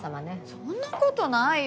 そんな事ないよ！